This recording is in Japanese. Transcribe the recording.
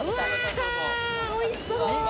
おいしそう！